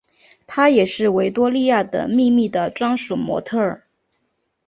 她也是维多利亚的秘密的专属模特儿。